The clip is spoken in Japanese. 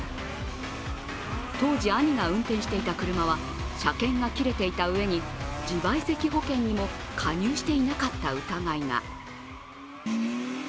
当時、兄が運転していた車は車検が切れていたうえに自賠責保険にも加入していなかった疑いが。